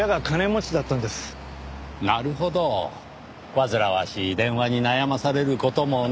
煩わしい電話に悩まされる事もない。